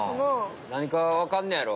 何かわかんねやろ。